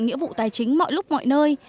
nghĩa vụ tài chính mọi lúc mọi nơi